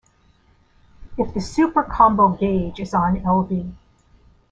If the Super Combo gauge is on Lv.